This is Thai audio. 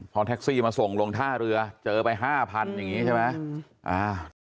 พอแท็กซี่มาส่งลงท่าเรือเจอไปห้าพันอย่างนี้ใช่ไหม